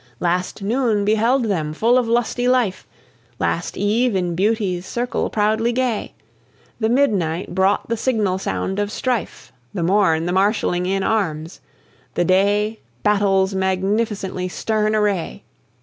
Last noon beheld them full of lusty life, Last eve in Beauty's circle proudly gay; The midnight brought the signal sound of strife, The morn the marshalling in arms, the day, Battle's magnificently stern array!